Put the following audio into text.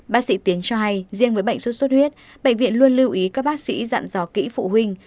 bác sĩ tiến cho hay riêng với bệnh sốt xuất huyết bệnh viện luôn lưu ý các bác sĩ dặn dò kỹ phụ huynh